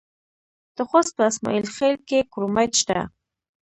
د خوست په اسماعیل خیل کې کرومایټ شته.